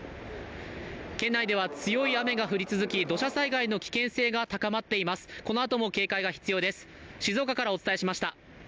県内では強い雨が降り続き土砂災害の危険性が高まっています、このあとも警戒が必要です。